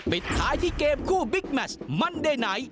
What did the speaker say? ปิดท้ายที่เกมคู่บิ๊กแมชมันได้ไหน